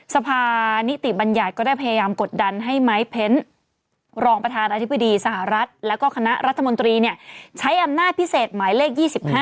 สภานิติบัญญัติก็ได้พยายามกดดันให้ไม้เพ้นรองประธานาธิบดีสหรัฐแล้วก็คณะรัฐมนตรีใช้อำนาจพิเศษหมายเลข๒๕